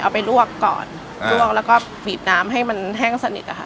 ไปลวกก่อนลวกแล้วก็บีบน้ำให้มันแห้งสนิทอะค่ะ